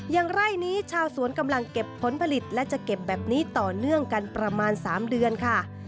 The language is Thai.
อย่างไรนี้ชาวสวนกำลังเก็บผลผลิตและจะเก็บแบบนี้ต่อเนื่องกันประมาณ๓เดือนค่ะ